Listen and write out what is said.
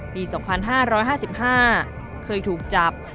ปีสองพันห้าร้อยห้าสิบห้าเคยถูกจับ